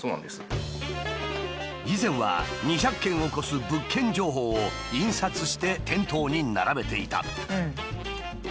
以前は２００件を超す物件情報を印刷して店頭に並べていた。